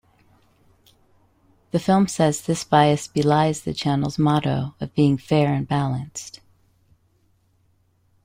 The film says this bias belies the channel's motto of being "Fair and Balanced".